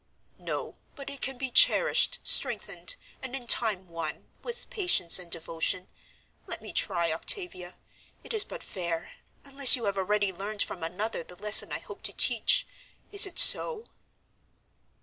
"No, but it can be cherished, strengthened, and in time won, with patience and devotion. Let me try, Octavia; it is but fair, unless you have already learned from another the lesson I hope to teach. Is it so?"